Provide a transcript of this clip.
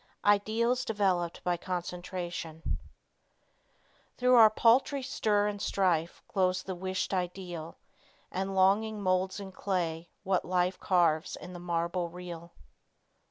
IDEALS DEVELOPED BY CONCENTRATION Through our paltry stir and strife, Glows the wished Ideal, And longing molds in clay, what life Carves in the marble real.